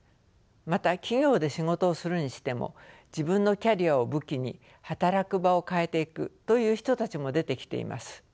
また企業で仕事をするにしても自分のキャリアを武器に働く場を変えていくという人たちも出てきています。